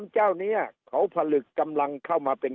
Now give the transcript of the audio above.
เจ้านี้เขาผลึกกำลังเข้ามาเป็น